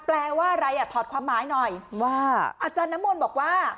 แปลว่าอะไรอ่ะถอดความหมายหน่อยว่าอาจารย์น้ำมนต์บอกว่า